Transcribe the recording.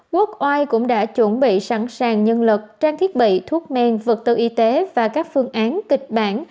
quốc oai cũng đã chuẩn bị sẵn sàng nhân lực trang thiết bị thuốc men vật tư y tế và các phương án kịch bản